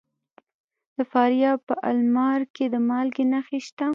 د فاریاب په المار کې د مالګې نښې شته.